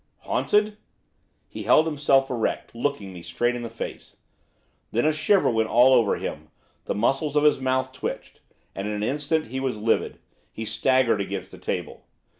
'Haunted?' He held himself erect, looking me straight in the face. Then a shiver went all over him; the muscles of his mouth twitched; and, in an instant, he was livid. He staggered against the table.